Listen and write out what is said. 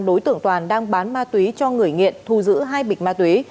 đối tượng toàn đang bán ma túy cho người nghiện thu giữ hai bịch ma túy